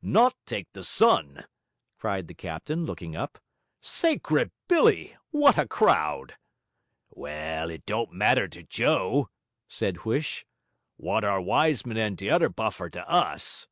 'Not take the sun?' cried the captain, looking up. 'Sacred Billy! what a crowd!' 'Well, it don't matter to Joe!' said Huish. 'Wot are Wiseman and the t'other buffer to us?'